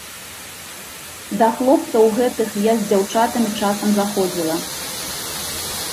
Да хлопцаў гэтых я з дзяўчатамі часам заходзіла.